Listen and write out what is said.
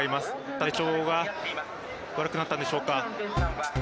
体調が悪くなったのでしょうか。